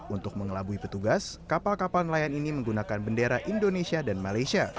untuk mengelabui petugas kapal kapal nelayan ini menggunakan bendera indonesia dan malaysia